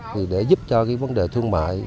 thì để giúp cho vấn đề thương mại